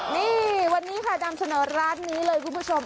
นี่วันนี้ค่ะนำเสนอร้านนี้เลยคุณผู้ชม